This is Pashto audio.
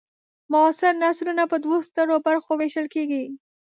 معاصر نثرونه په دوو سترو برخو وېشل کیږي.